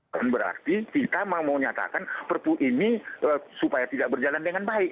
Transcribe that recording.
dan berarti kita mau menyatakan perpu ini supaya tidak berjalan dengan baik